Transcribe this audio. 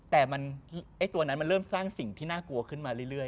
แต่ตัวนั้นมันเริ่มสร้างสิ่งที่น่ากลัวขึ้นมาเรื่อย